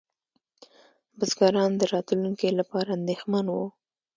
بزګران د راتلونکي لپاره اندېښمن وو.